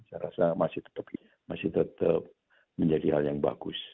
saya rasa masih tetap menjadi hal yang bagus